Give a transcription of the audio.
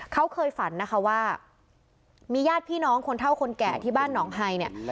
เขาเคยฝันนะคะว่ามีญาติพี่น้องคนเท่าคนแก่ที่บ้านหนองไฮเนี่ย